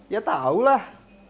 ya tau lah